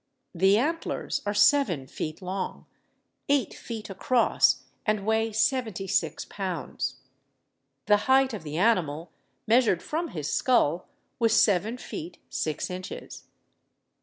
The antlers are seven feet long, eight feet across, and weigh seventy six pounds. The height of the animal (measured from his skull) was seven feet six inches.